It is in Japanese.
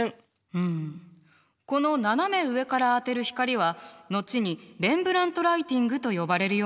うんこの斜め上から当てる光は後にレンブラントライティングと呼ばれるようになったの。